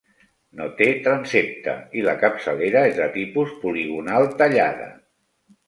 No té transsepte i la capçalera és de tipus poligonal tallada.